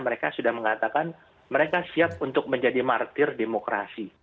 mereka sudah mengatakan mereka siap untuk menjadi martir demokrasi